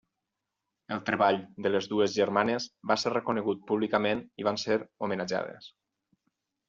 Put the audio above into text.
El treball de les dues germanes va ser reconegut públicament i van ser homenatjades.